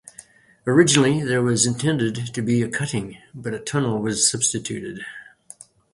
Originally there was intended to be a cutting, but a tunnel was substituted.